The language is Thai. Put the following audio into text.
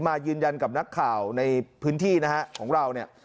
มายืนยันกับนักข่าวในพื้นที่ของเรา